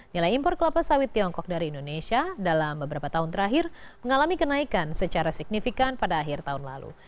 nilai impor kelapa sawit tiongkok dari indonesia dalam beberapa tahun terakhir mengalami kenaikan secara signifikan pada akhir tahun lalu